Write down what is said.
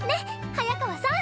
早川さん。